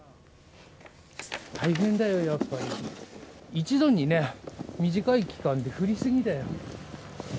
一度にね、短い期間で降り過ぎだよ。